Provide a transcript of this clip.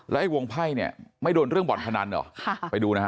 ไอ้วงไพ่เนี่ยไม่โดนเรื่องบ่อนพนันเหรอไปดูนะฮะ